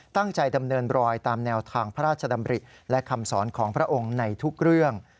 ดำเนินรอยตามแนวทางพระราชดำริและคำสอนของพระองค์ในทุกเรื่อง